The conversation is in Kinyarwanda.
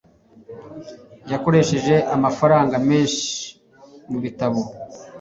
Yakoresheje amafaranga menshi mubitabo.